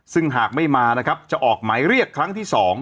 ซึ่งหากไม่มานะครับจะออกหมายเรียกครั้งที่๒